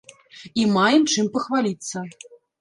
І маем чым пахваліцца.